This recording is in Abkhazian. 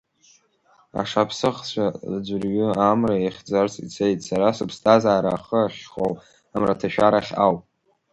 Ашаԥсыӷцәа аӡәырҩы амра иахьӡарц ицеит, сара сыԥсҭазаара ахы ахьхоу амраҭашәарахь ауп.